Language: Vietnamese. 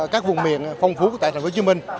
các vùng miền phong phú tại thành phố hồ chí minh